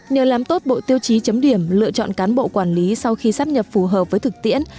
nhờ làm tốt bộ tiêu chí chấm điểm lựa chọn cán bộ quản lý sau khi sắp nhập phù hợp với thực tiễn